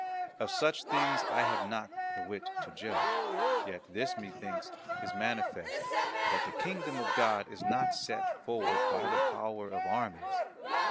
Of such things I have not the wit to judge; yet this, methinks, is manifest, that the Kingdom of God is not set forward by the power of armies.